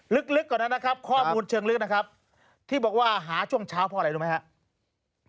ลึกกว่านั้นนะครับข้อมูลเชิงลึกนะครับที่บอกว่าหาช่วงเช้าเพราะอะไรรู้ไหมครับ